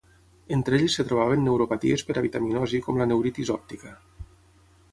Entre elles es trobaven neuropaties per avitaminosi com la neuritis òptica.